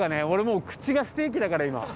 俺もう口がステーキだから今。